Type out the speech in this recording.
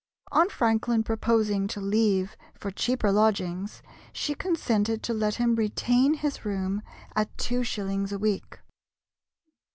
On Franklin proposing to leave for cheaper lodgings, she consented to let him retain his room at two shillings a week.